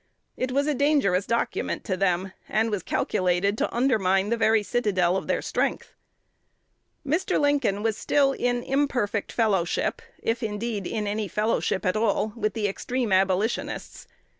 It was a dangerous document to them, and was calculated to undermine the very citadel of their strength. Mr. Lincoln was still in imperfect fellowship if, indeed, in any fellowship at all with the extreme Abolitionists.